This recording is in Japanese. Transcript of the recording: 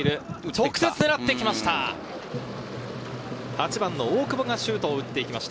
直接狙ってきました。